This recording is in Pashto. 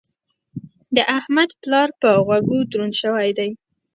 د احمد پلار په غوږو دروند شوی دی.